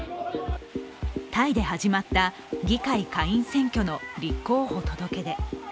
タイで始まった議会下院の立候補届け出。